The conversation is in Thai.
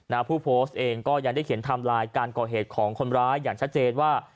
ผู้โพสต์เองก็ยังได้เขียนไทม์ไลน์การก่อเหตุของคนร้ายอย่างชัดเจนว่า